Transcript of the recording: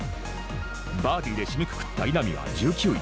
バーディーで締めくくった稲見は１９位。